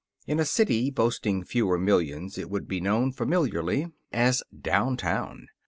In a city boasting fewer millions, it would be known familiarly as downtown.